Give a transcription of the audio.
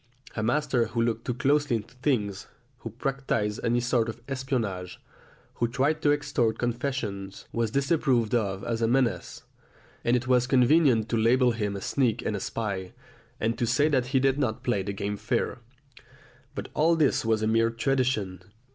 A master who looked too closely into things, who practised any sort of espionage, who tried to extort confession, was disapproved of as a menace, and it was convenient to label him a sneak and a spy, and to say that he did not play the game fair. But all this was a mere tradition.